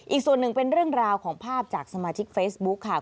อีกส่วนหนึ่งเป็นเรื่องราวของภาพจากสมาชิกเฟซบุ๊คค่ะ